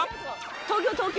東京東京。